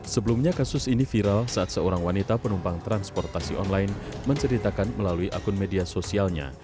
sebelumnya kasus ini viral saat seorang wanita penumpang transportasi online menceritakan melalui akun media sosialnya